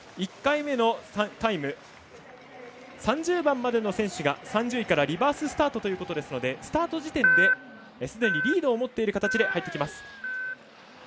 １回目のタイム３０番までの選手が３０位からリバーススタートということですのでスタート時点ですでにリードを持っている形で入ってきます。